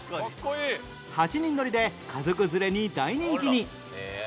８人乗りで家族連れに大人気に